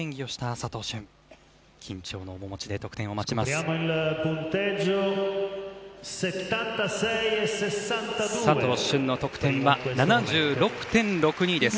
佐藤駿の得点は７６．６２です。